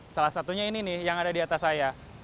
salah satunya ini nih yang ada di atas saya